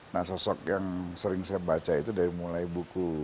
nah sosok yang sering saya baca itu dari mulai buku